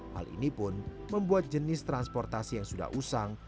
hal ini pun membuat jenis transportasi yang sudah usang